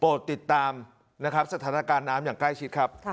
ติดตามนะครับสถานการณ์น้ำอย่างใกล้ชิดครับ